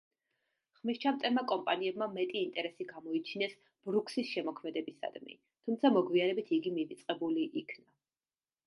ხმისჩამწერმა კომპანიებმა მეტი ინტერესი გამოიჩინეს ბრუქსის შემოქმედებისადმი, თუმცა მოგვიანებით იგი მივიწყებული იქნა.